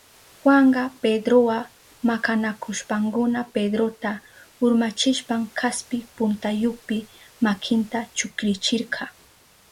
Juanka Pedrowa makanakushpankuna Pedrota urmachishpan kaspi puntayupi makinta chukrichirka.